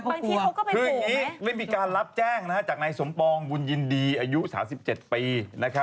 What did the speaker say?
คืออย่างนี้ไม่มีการรับแจ้งจากนายสมปองบุญยินดีอายุ๓๗ปี